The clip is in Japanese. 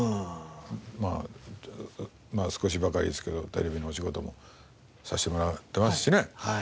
まあ少しばかりですけどテレビのお仕事もさせてもらえてますしね。